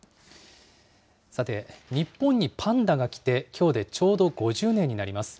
さて、日本にパンダが来て、きょうでちょうど５０年になります。